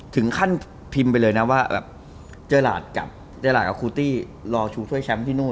ถึงขั้นพิมพ์ไปเลยนะว่าเจอราดกับคูติรอชูช่วยแชมป์ที่โน่น